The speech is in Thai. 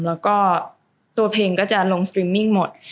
แล้วก็ตัวเพลงก็จะลงสตริมมิ่งหมด